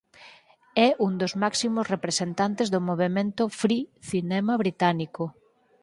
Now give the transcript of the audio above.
É un dos máximos representantes do movemento Free Cinema británico.